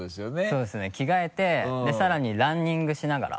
そうですね着替えてさらにランニングしながら。